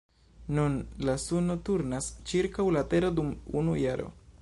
Nun la suno turnas ĉirkaŭ la tero dum unu jaro.